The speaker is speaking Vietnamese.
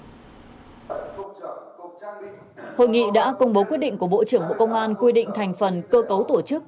hội nghị đã công bố quyết định của bộ trưởng bộ công an quy định thành phần cơ cấu tổ chức